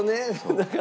だから。